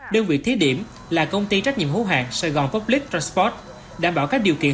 đơn vị thiết điểm là công ty trách nhiệm hữu hàng sài gòn public transport đảm bảo các điều kiện